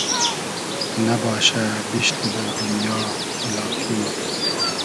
نئباشۂ بیشتی بئل دونیا و لاکین